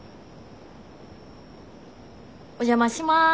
お邪魔します。